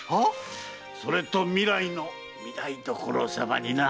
それと未来の御台所様にな。